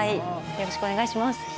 よろしくお願いします。